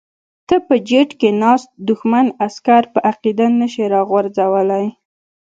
ته په جیټ کې ناست دښمن عسکر په عقیده نشې راغورځولی.